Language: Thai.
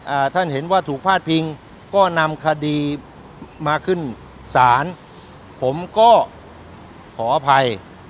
ท่านเห็นว่าถูกพาดพิงก็นำคดีมาขึ้นศาลผมก็ขออภัย